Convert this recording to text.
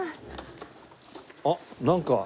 あっなんか。